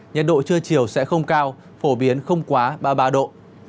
nhiệt độ trưa chiều sẽ không cao phổ biến không quá ba mươi ba độ